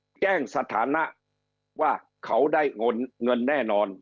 แจ้งสถานะว่าเขาได้เงินเงินแน่นอน